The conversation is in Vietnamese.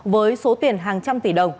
với số tiền hàng trăm tỷ đồng